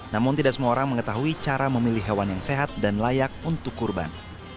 namun tidak semua orang mengetahui cara memilih hewan yang sehat dan layak untuk kurban